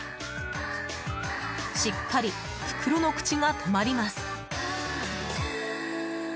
しっかり袋の口が留まります。